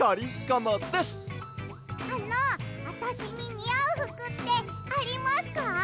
あのあたしににあうふくってありますか？